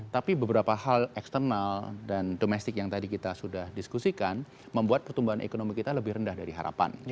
tapi beberapa hal eksternal dan domestik yang tadi kita sudah diskusikan membuat pertumbuhan ekonomi kita lebih rendah dari harapan